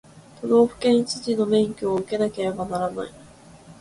都道府県知事の免許を受けなければならない